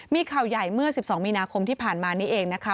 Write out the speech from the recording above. มีข่าวใหญ่เมื่อ๑๒มีนาคมที่ผ่านมานี้เองนะคะ